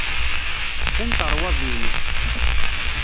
Ḥfant rrwaḍi-inek.